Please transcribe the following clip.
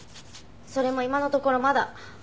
それも今のところまだ。